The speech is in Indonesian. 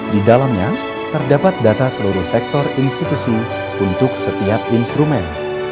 di dalamnya terdapat data seluruh sektor institusi untuk setiap instrumen